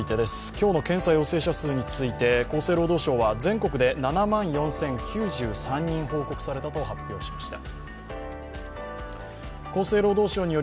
今日の検査陽性者数について厚生労働省は全国で７万４０９３人確認されたと発表しました。